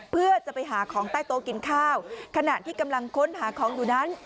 เพื่อจะไปหาของใต้โต๊ะกินข้าวขณะที่กำลังค้นหาของอยู่นั้น